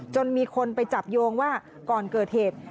จนมีคนไปจับโยงว่าก่อนเกิดเหตุ